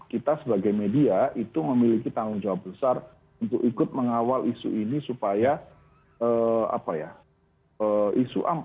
kita sebagai media itu memiliki tanggung jawab besar untuk ikut mengawal isu ini supaya apa ya isu amandemen